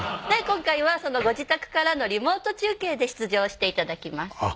今回はそのご自宅からのリモート中継で出場して頂きます